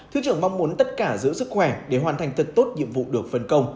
thứ trưởng mong muốn tất cả giữ sức khỏe để hoàn thành thật tốt nhiệm vụ được phân công